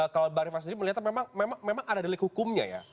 kalau bang irfan sendiri melihat memang ada delik hukumnya ya